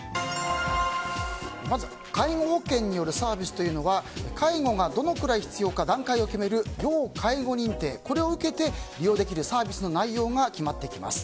まず、介護保険によるサービスというのが介護がどのくらい必要か段階を決める要介護認定を受けて利用できるサービスの内容が決まってきます。